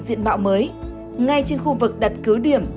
hồng cúm nhà ngay trên khu vực đặt cứ điểm